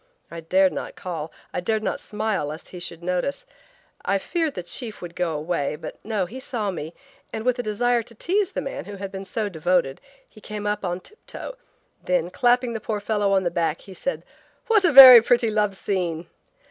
I dared not call. I dared not smile, lest he should notice. I feared the chief would go away, but no, he saw me, and with a desire to tease the man who had been so devoted he came up on tip toe, then, clapping the poor fellow on the back, he said: "What a very pretty love scene!"